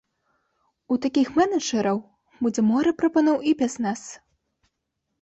У такіх менеджараў будзе мора прапаноў і без нас.